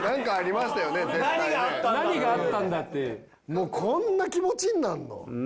もうこんな気持ちになるの？